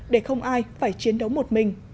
để không ai phải chiến đấu một mình